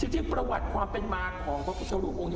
จริงประวัติความเป็นมาของพระพุธเช้าหลวงโรงนี้